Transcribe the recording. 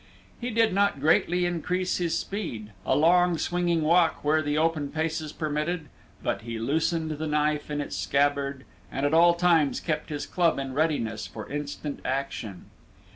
He did not greatly increase his speed, a long swinging walk where the open places permitted, but he loosened the knife in its scabbard and at all times kept his club in readiness for instant action.